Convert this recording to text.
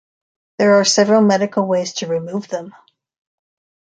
There are several medical ways to remove them.